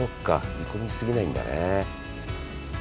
煮込み過ぎないんだね。